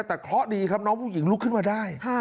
แต่เคราะห์ดีครับน้องผู้หญิงลุกขึ้นมาได้